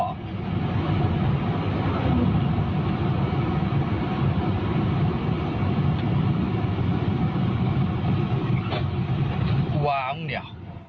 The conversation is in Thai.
กลัวอุ้งเนี่ย